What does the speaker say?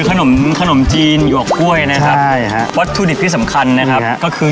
ต้องกินกันแล้วนะครับค่ะ